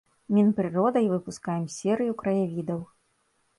Мінпрыродай выпускаем серыю краявідаў.